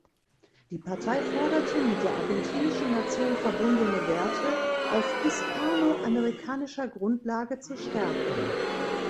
Die Partei forderte, mit der argentinischen Nation verbundene Werte auf „hispano-amerikanischer“ Grundlage zu stärken.